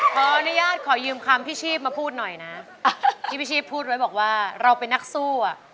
ขออนุญาตขอยืมคำพี่ชีพมาพูดหน่อยนะที่พี่ชีพพูดไว้บอกว่าเราเป็นนักสู้อ่ะ